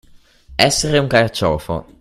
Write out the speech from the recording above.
Essere un carciofo.